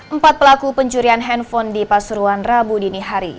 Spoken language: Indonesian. empat pelaku pencurian handphone di pasuruan rabu dinihari